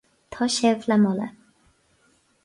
Tá sibh le moladh.